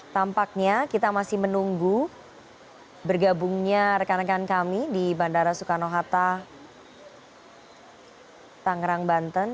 tampaknya kita masih menunggu bergabungnya rekan rekan kami di bandara soekarno hatta tangerang banten